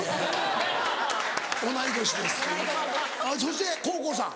そして黄皓さん。